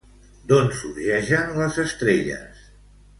D'on sorgeixen les estrelles?